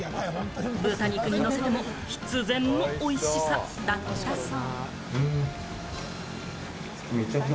豚肉にのせても必然の美味しさだったそうだ。